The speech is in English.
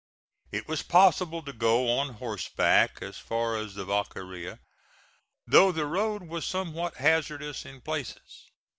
It was possible to go on horseback as far as the Vaqueria, though the road was somewhat hazardous in places.